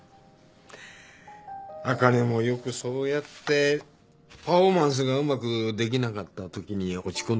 アカネもよくそうやってパフォーマンスがうまくできなかったときに落ち込んでたな。